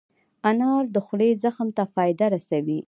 انار د خولې زخم ته فایده رسوي.